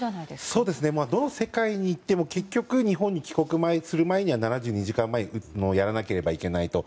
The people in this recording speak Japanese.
そうですね、どの世界に行っても、結局、日本に帰国する前には７２時間前にやらなければいけないと。